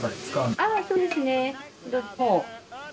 ああそうですね。